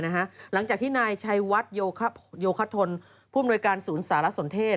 หลังจากที่นายชัยวัดโยคทนผู้อำนวยการศูนย์สารสนเทศ